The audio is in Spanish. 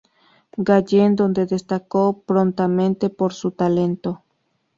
Gallen, donde destacó prontamente por su talento.